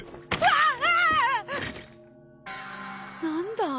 何だ！？